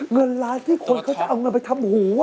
เงินละที่คนเค้าจะเอามาทำหู